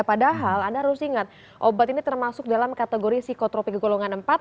padahal anda harus ingat obat ini termasuk dalam kategori psikotropik golongan empat